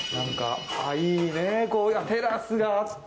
いいねこういうあっテラスがあって。